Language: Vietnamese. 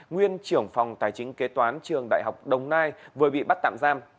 nguyên trưởng phòng tài chính kế toán trường đại học đồng nai vừa bị bắt tạm giam